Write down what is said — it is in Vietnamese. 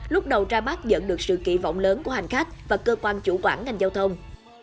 lúc đầu ra bắt dẫn được sự kỳ vọng lớn của hành khách và cơ quan chủ quản ngành giao thông